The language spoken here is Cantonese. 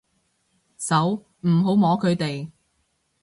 手，唔好摸佢哋